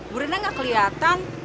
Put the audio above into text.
bu rena gak keliatan